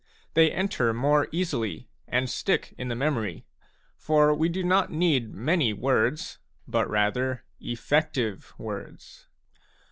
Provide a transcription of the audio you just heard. They enter more easily, and stick in the memory ; for we do not need many words^ but, rather, efFective words.